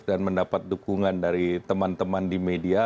dan mendapat dukungan dari teman teman di media